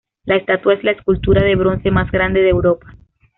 La estatua es la escultura de bronce más grande de Europa.